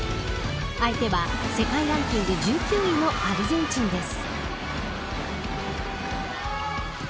相手は世界ランキング１９位のアルゼンチンです。